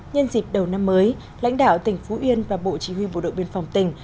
nhân dịp đầu năm mới lãnh đạo tỉnh phú yên và bộ chỉ huy bộ đội biên phòng tỉnh